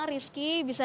terima kasih tuhan